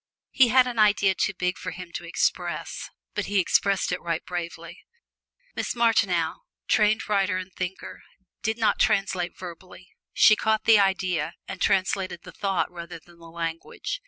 He had an idea too big for him to express, but he expressed at it right bravely. Miss Martineau, trained writer and thinker, did not translate verbally: she caught the idea, and translated the thought rather than the language.